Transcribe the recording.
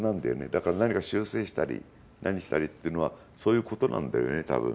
だから、何か修正したり何したりっていうのはそういうことなんだよね、多分。